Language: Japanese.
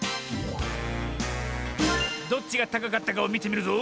どっちがたかかったかをみてみるぞ。